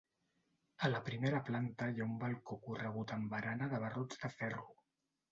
A la primera planta hi ha un balcó corregut amb barana de barrots de ferro.